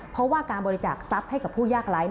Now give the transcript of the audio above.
เพราะว่าการบริจาคทรัพย์ให้กับผู้ยากไร้